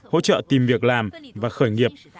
hỗ trợ tìm việc làm và khởi nghiệp